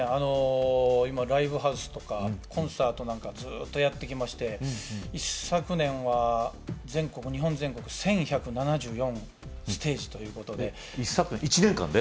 今ライブハウスとかコンサートなんかずーっとやってきまして一昨年は日本全国１１７４ステージということで１年間で？